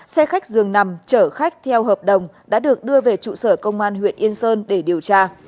xe khách dường nằm chở khách theo hợp đồng đã được đưa về trụ sở công an huyện yên sơn để điều tra